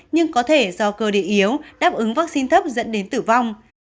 nhưng có thể do cơ địa yếu đáp ứng vaccine thấp dẫn đến tử vong